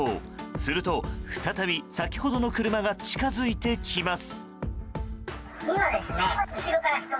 すると再び先ほどの車が近づいてきます。